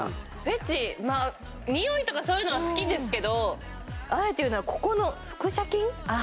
まあにおいとかそういうのは好きですけどあえて言うならここの腹斜筋？